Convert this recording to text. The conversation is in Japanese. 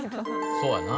そうやな。